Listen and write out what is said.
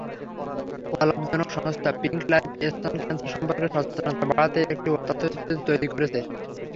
অলাভজনক সংস্থা pink life স্তন ক্যানসার সম্পর্কে সচেতনতা বাড়াতে একটি তথ্যচিত্র তৈরি করেছে।